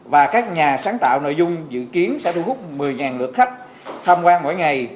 và các nhà sáng tạo nội dung dự kiến sẽ thu hút một mươi lượt khách tham quan mỗi ngày